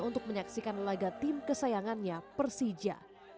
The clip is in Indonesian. untuk menyaksikan laga tim kesayangannya persija